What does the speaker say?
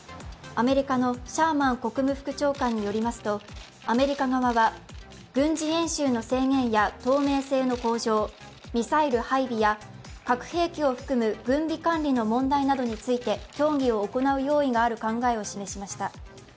アメリカのシャーマン国務副長官によりますとアメリカ側は、軍事演習の制限や透明性の向上、ミサイル配備や核兵器を含む軍備管理の問題などについて協議を行う用意がある考えを示しました。